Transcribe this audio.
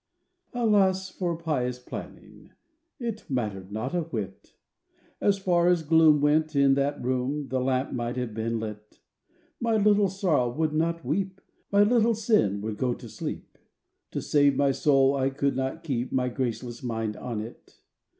Alas for pious planning— It mattered not a whit! As far as gloom went in that room, The lamp might have been lit! My Little Sorrow would not weep, My Little Sin would go to sleep— To save my soul I could not keep My graceless mind on it!